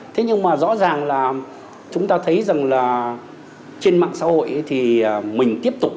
thế nhưng mà rõ ràng là chúng ta thấy rằng là trên mạng xã hội thì mình tiếp tục